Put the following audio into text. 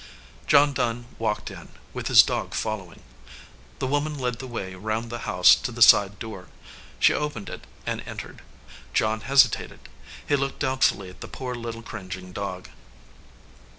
John Dunn walked in, with his dog following. The woman led the way around the house to the side door. She opened it and entered. John hesi tated. He looked doubtfully at the poor little cringing dog.